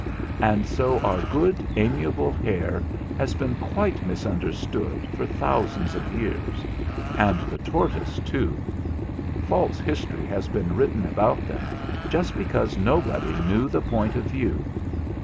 And so our good, amiable hare has been quite misunder stood for thousands of years ; and the tortoise, too. False history has been written about them, just because nobody knew the Point of View.